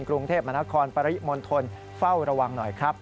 กรุงเทพมนครปริมณฑลเฝ้าระวังหน่อยครับ